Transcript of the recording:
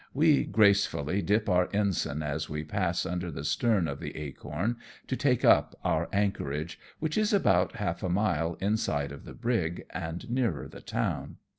We gracefully dip our ensign as we pass 40 AMONG TYPHOONS AND PIRATE CRAFT. under the stern of the Acorn to take up our anchorage, which is about half a mile inside of the brig and nearer the town.